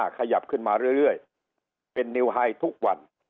ขยับขึ้นมาเรื่อยเป็นนิวไฮทุกวัน